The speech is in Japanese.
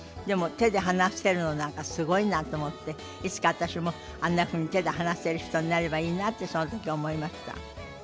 でも手で話せるのなんかすごいなと思っていつか私もあんなふうに手で話せる人になればいいなとその時思いました。